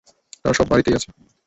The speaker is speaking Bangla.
তারা সব বাড়িতেই রয়েছে।